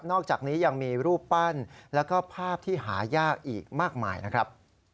อกจากนี้ยังมีรูปปั้นแล้วก็ภาพที่หายากอีกมากมายนะครับ